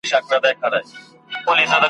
زه ریشتیا په عقل کم یمه نادان وم ,